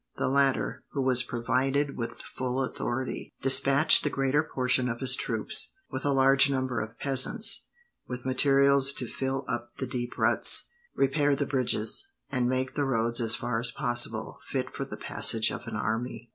The latter, who was provided with full authority, despatched the greater portion of his troops, with a large number of peasants, with materials to fill up the deep ruts, repair the bridges, and make the roads, as far as possible, fit for the passage of an army.